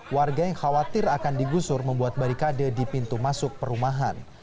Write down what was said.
warga yang khawatir akan digusur membuat barikade di pintu masuk perumahan